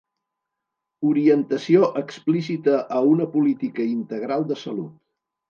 Orientació explícita a una política integral de salut.